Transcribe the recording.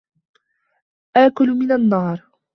آكل من النار